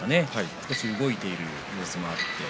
少し動いているような様子もありました。